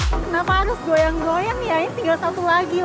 kenapa harus goyang goyang ya tinggal satu lagi